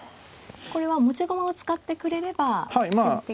これは持ち駒を使ってくれれば先手玉。